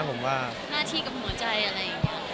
ผมว่าหน้าที่กับหัวใจอะไรอย่างนี้